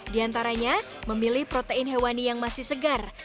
di antaranya memilih protein hewani yang masih segar